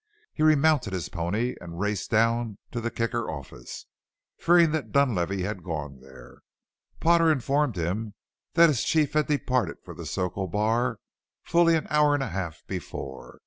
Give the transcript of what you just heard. He remounted his pony and raced down to the Kicker office, fearing that Dunlavey had gone there. Potter informed him that his chief had departed for the Circle Bar fully an hour and a half before.